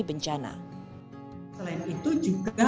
dan informasi peringatan dini bencana